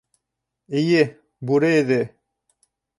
Эйе, бүре эҙе.